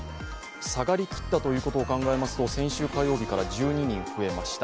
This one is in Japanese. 下がりきったということを考えますと先週火曜日から１２人増えました。